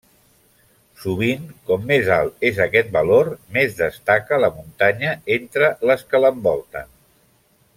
Sovint, com més alt és aquest valor més destaca la muntanya entre les que l'envolten.